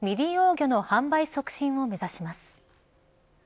魚の販売促進を目指します。